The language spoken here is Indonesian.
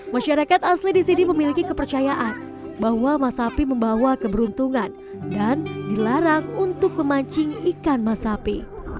masyarakat asli di sini memiliki kepercayaan bahwa masapi membawa keberuntungan dan dilarang untuk memancing ikan masapi